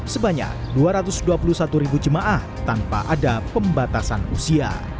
sebanyak dua ratus dua puluh satu ribu jemaah tanpa ada pembatasan usia